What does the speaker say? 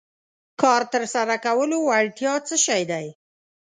کار تر سره کولو وړتیا څه شی دی.